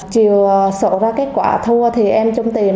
chiều sổ ra kết quả thua thì em chung tiền